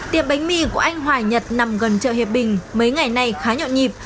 tiệp bánh mì của anh hoài nhật nằm gần chợ hiệp bình mấy ngày nay khá nhọn nhịp